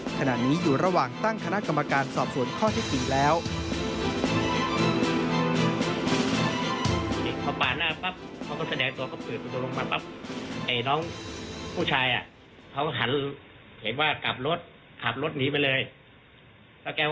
ขณะนี้อยู่ระหว่างตั้งคณะกรรมการสอบสวนข้อที่จริงแล้ว